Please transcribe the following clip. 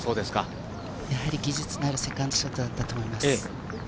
やはり技術のあるセカンドショットだったと思います。